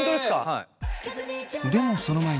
はい。